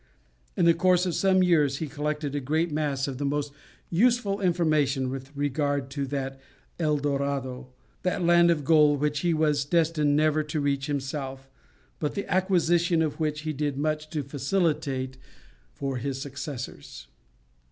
In the course of some years he collected a great mass of most useful information with regard to that El Dorado, that land of gold, which he was destined never to reach himself, but the acquisition of which he did much to facilitate for his successors.